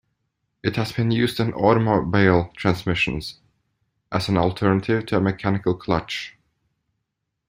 It has been used in automobile transmissions as an alternative to a mechanical clutch.